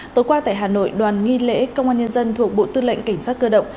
tối qua tại hà nội đoàn nghi lễ công an nhân dân thuộc bộ tư lệnh cảnh sát cơ động